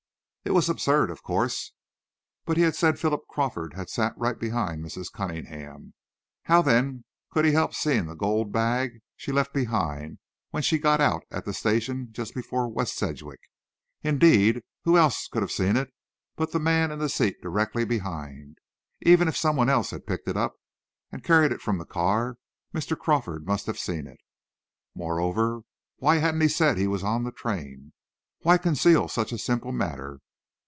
It was absurd, of course. But he had said Philip Crawford had sat right behind Mrs. Cunningham. How, then, could he help seeing the gold bag she left behind, when she got out at the station just before West Sedgwick? Indeed, who else could have seen it but the man in the seat directly behind? Even if some one else had picked it up and carried it from the car, Mr. Crawford must have seen it. Moreover, why hadn't he said he was on that train? Why conceal such a simple matter?